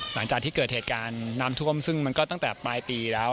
หลังจากที่เกิดเหตุการณ์น้ำท่วมซึ่งมันก็ตั้งแต่ปลายปีแล้ว